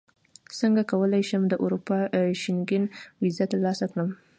څنګه کولی شم د اروپا شینګن ویزه ترلاسه کړم